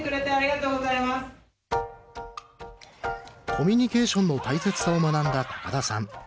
コミュニケーションの大切さを学んだ田さん。